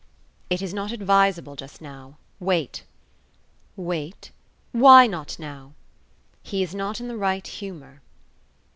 "It is not advisable just now. Wait." "Wait? Why not now?" "He is not in the right humour."